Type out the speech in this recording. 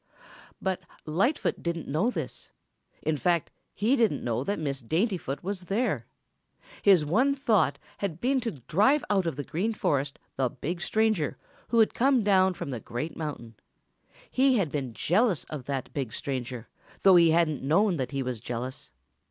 But Lightfoot didn't know this. In fact, he didn't know that Miss Daintyfoot was there. His one thought had been to drive out of the Green Forest the big stranger who had come down from the Great Mountain. He had been jealous of that big stranger, though he hadn't known that he was jealous.